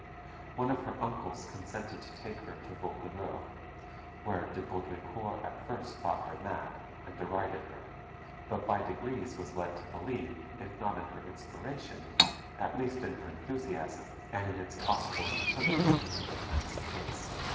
One of her uncles consented to take her to Vaucouleurs, where De Baudricourt at first thought her mad, and derided her; but by degrees was led to believe, if not in her inspiration, at least in her enthusiasm and in its possible utility to the Dauphin's cause.